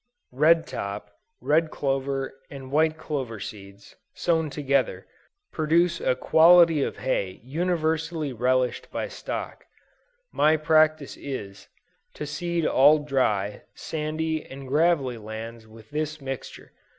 "Red top, red clover and white clover seeds, sown together, produce a quality of hay universally relished by stock. My practice is, to seed all dry, sandy and gravelly lands with this mixture.